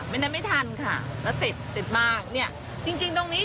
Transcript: ไม่ได้ไม่ทันค่ะแล้วติดติดมากเนี่ยจริงจริงตรงนี้